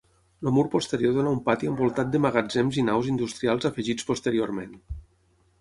El mur posterior dóna a un pati envoltat de magatzems i naus industrials afegits posteriorment.